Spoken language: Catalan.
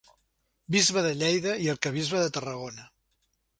Bisbe de Lleida i arquebisbe de Tarragona.